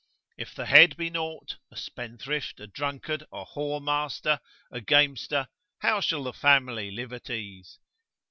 If the head be naught, a spendthrift, a drunkard, a whoremaster, a gamester, how shall the family live at ease?